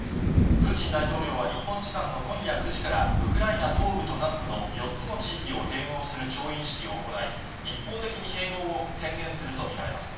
プーチン大統領は日本時間の今夜９時から、ウクライナ東部と南部の４つの地域を併合する調印式を行い、一方的に併合を宣言すると見られます。